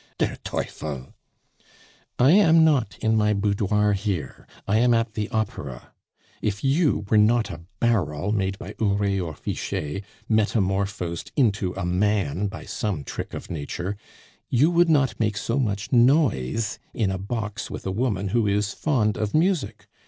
"Der teufel!" "I am not in my boudoir here, I am at the opera. If you were not a barrel made by Huret or Fichet, metamorphosed into a man by some trick of nature, you would not make so much noise in a box with a woman who is fond of music.